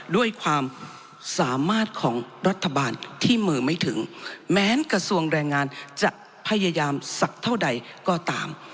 ด้วยความสามารถของรัฐบาลที่มือไม่ถึงแม้กระทรวงแรงงานจะพยายามสักเท่าใดก็ตาม